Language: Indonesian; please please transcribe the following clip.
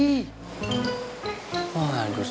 siapa lagi kalau bukan non cindy